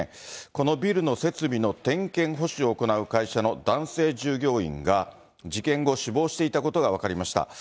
このビルの設備の点検保守を行う会社の男性従業員が、事件後、死亡していたことが分かりました。